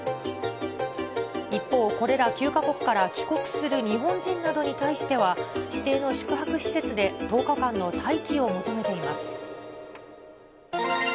一方、これら９か国から帰国する日本人などに対しては、指定の宿泊施設で１０日間の待機を求めています。